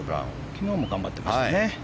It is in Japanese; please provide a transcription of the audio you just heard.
昨日も頑張ってましたね。